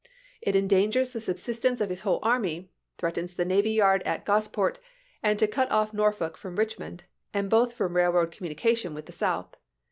It endangers the subsistence of his whole army, threatens the navy yard at Gosport, and to cut off Norfolk from Rich mond, and both from railroad communication with voiJTpatiu"' *^® South.